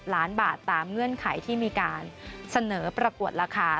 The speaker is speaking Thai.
ล้านบาทตามเงื่อนไขที่มีการเสนอประกวดราคา